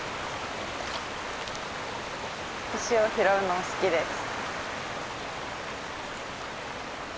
石を拾うの好きです。